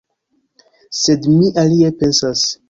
Sed mi alie pensas.